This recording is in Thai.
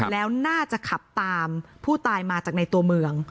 แล้วน่าจะขับตามผู้ตายมาจากในตัวเมือง